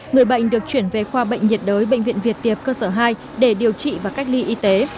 người bệnh được chuyển về khoa bệnh nhiệt đới bệnh viện việt tiệp cơ sở hai để điều trị và cách ly y tế